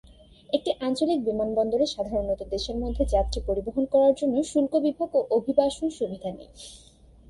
একটি আঞ্চলিক বিমানবন্দরে সাধারণত দেশের মধ্যে যাত্রী পরিবহন করার জন্য শুল্ক বিভাগ ও অভিবাসন সুবিধা নেই।